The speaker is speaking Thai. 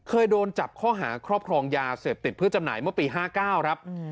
เคยโดนจับข้อหาครอบครองยาเสพติดเพื่อจำหน่ายเมื่อปี๕๙ครับ